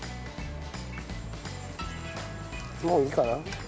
もういいかな？